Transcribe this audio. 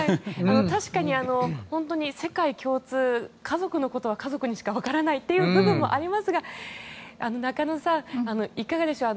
確かに世界共通家族のことは家族にしか分からない部分もありますが中野さん、いかがでしょう。